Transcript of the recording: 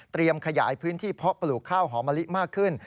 ขยายพื้นที่เพาะปลูกข้าวหอมะลิมากขึ้น